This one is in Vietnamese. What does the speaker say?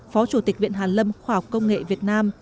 phó chủ tịch viện hàn lâm khoa học công nghệ việt nam